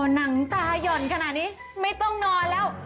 หนังตาย่อนขนาดนี้ไม่ต้องนอนแล้ว